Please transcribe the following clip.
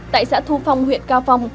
tại xã thu phong huyện cao phong